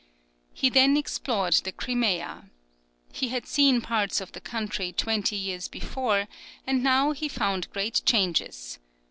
He then explored the Crimea. He had seen parts of the country twenty years before, and he now found great changes.